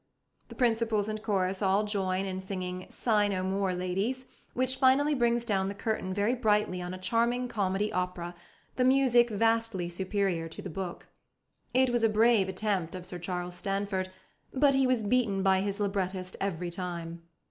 The principals and chorus all join in singing "Sigh no more, ladies," which finally brings down the curtain very brightly on a charming comedy opera; the music vastly superior to the book. It was a brave attempt of Sir Charles Stanford, but he was beaten by his librettist every time.